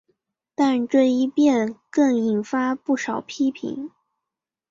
但这一变更引发不少批评。